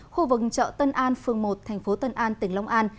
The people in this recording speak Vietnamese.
khu vực chợ tân an phường một thành phố tân an tỉnh long an